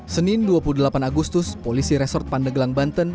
senin dua puluh delapan agustus polisi resort pandeglang banten